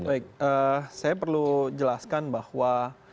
baik saya perlu jelaskan bahwa